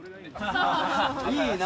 いいな！